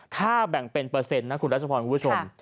ถ้าแบ่งเป็นเปอร์เซ็นต์นะคุณรัชพรคุณผู้ชม